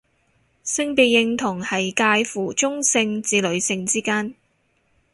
性別認同係界乎中性至女性之間